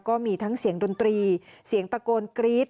ก็มีทั้งเสียงดนตรีเสียงตะโกนกรี๊ด